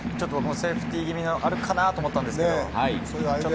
セーフティー気味もあるかなと思ったんですけど。